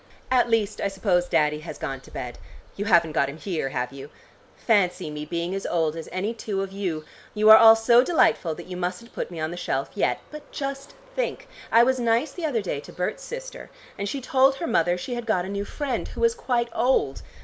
At least I suppose Daddy has gone to bed. You haven't got him here, have you? Fancy me being as old as any two of you. You are all so delightful, that you mustn't put me on the shelf yet. But just think! I was nice the other day to Berts' sister, and she told her mother she had got a new friend, who was quite old.